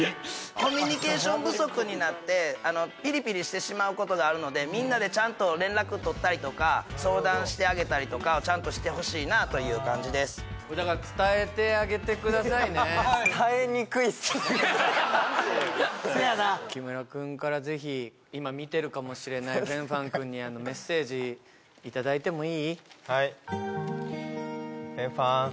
コミュニケーション不足になってピリピリしてしまうことがあるのでみんなでちゃんと連絡取ったりとか相談してあげたりとかをちゃんとしてほしいなという感じですだから木村君からぜひ今見てるかもしれないいただいてもいい？